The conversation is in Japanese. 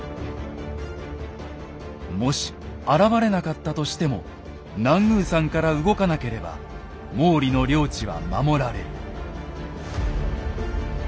もし現れなかったとしても南宮山から動かなければ毛利の領地は守られる。